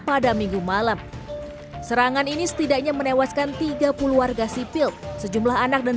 pada minggu malam serangan ini setidaknya menewaskan tiga puluh warga sipil sejumlah anak dan